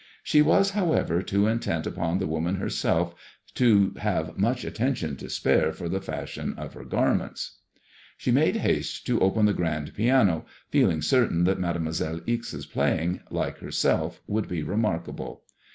She was, however, too intent upon the woman herself to have much attention to spare for the fashion of her garments. She made haste to open the grand piano, feeling certain that Mademoiselle Ixe's playing, like herself, would be remarkable.